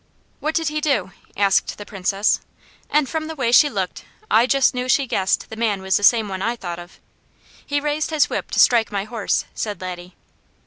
'" "What did he do?" asked the Princess. And from the way she looked I just knew she guessed the man was the same one I thought of. "He raised his whip to strike my horse," said Laddie.